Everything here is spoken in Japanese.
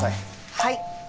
はい。